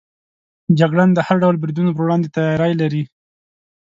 جګړن د هر ډول بریدونو پر وړاندې تیاری لري.